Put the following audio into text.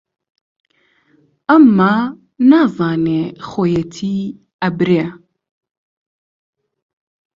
ئەمما نازانێ خۆیەتی ئەبرێ